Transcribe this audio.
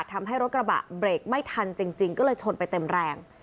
ทำให้รถกระบะเบรกไม่ทันจริงก็เลยชนไปเต็มแรง